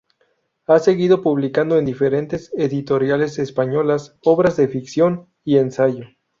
Ha seguido publicando en diferentes editoriales españolas obras de ficción y ensayo.